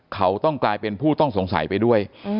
เขาต้องกลายเป็นผู้ต้องสงสัยไปด้วย